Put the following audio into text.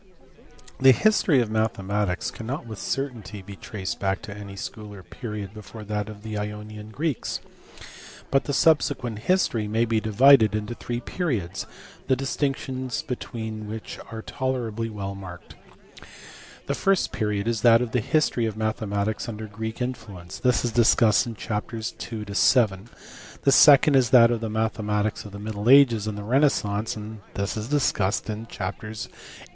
THE history of mathematics cannot with certainty be traced back to any school or period before that of the Ionian Greeks, but the subsequent history may be divided into three periods, the distinctions between which are tolerably well marked. The first period is that of the history of mathematics under Greek influence, this is discussed in chapters n. to vn. : the second is that of the mathematics of the middle ages and the renaissance, this is discussed in chapters VIH.